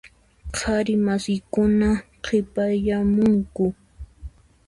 Qhari masiykuna qhipayamunku.